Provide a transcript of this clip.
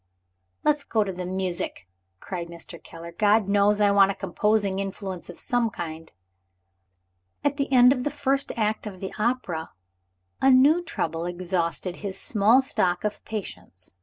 "Let's go to the music!" cried Mr. Keller. "God knows, I want a composing influence of some kind." At the end of the first act of the opera, a new trouble exhausted his small stock of patience.